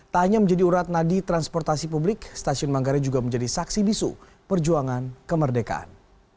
tak hanya menjadi urat nadi transportasi publik stasiun manggarai juga menjadi saksi bisu perjuangan kemerdekaan